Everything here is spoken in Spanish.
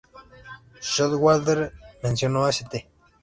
Showalter mencionó "St.